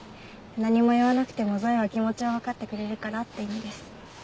何も言わなくてもゾイは気持ちをわかってくれるからって意味です。